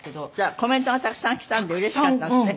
コメントがたくさん来たんでうれしかったんですって？